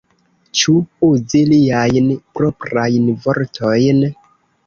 Ĉu uzi liajn proprajn vortojn?